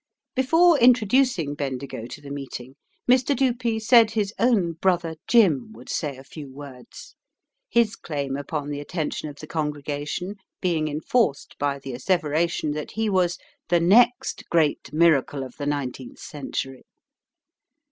Before introducing Bendigo to the meeting, Mr. Dupee said his own "brother Jim" would say a few words, his claim upon the attention of the congregation being enforced by the asseveration that he was "the next great miracle of the nineteenth century."